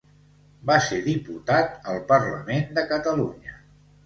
Va ser diputat al Parlament de Catalunya.